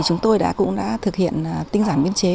chúng tôi cũng đã thực hiện tin giảng biên chế